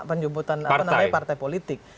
penyebutan namanya partai politik